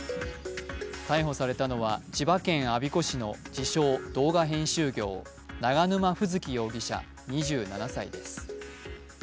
逮捕されたのは千葉県我孫子市の自称・動画編集業、永沼楓月容疑者２７歳です。